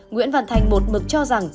nguyễn văn thành một mực cho rằng